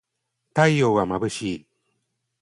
太陽はまぶしい